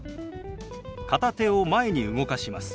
片手を前に動かします。